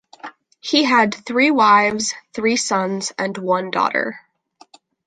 He had three wives, three sons, and one daughter.